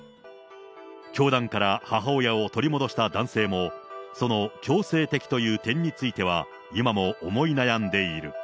教団から母親を取り戻した男性も、その強制的という点については、今も思い悩んでいる。